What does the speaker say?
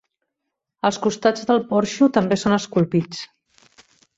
Els costats del porxo també són esculpits.